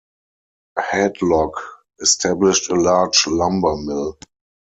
Hadlock established a large lumber mill.